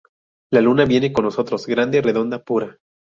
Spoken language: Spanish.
La Luna viene con nosotros, grande, redonda, pura.